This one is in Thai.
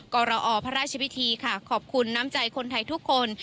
กรอพระราชพิธีค่ะขอบคุณน้ำใจคนไทยทุกคน